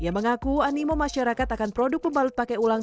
ia mengaku animo masyarakat akan produk pembalut pakai ulang